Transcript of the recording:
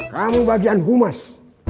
kamu bagian humas